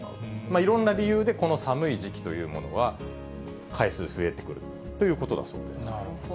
いろんな理由でこの寒い時期というものは、回数増えてくるというなるほど。